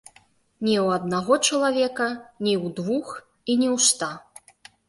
Не ў аднаго чалавека, не ў двух і не ў ста.